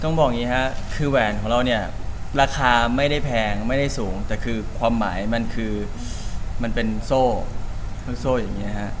บอกอย่างนี้ฮะคือแหวนของเราเนี่ยราคาไม่ได้แพงไม่ได้สูงแต่คือความหมายมันคือมันเป็นโซ่ลูกโซ่อย่างนี้ฮะ